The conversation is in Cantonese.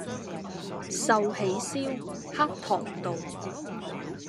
壽喜燒-黑糖道